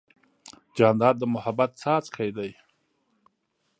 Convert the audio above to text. جانداد د محبت څاڅکی دی.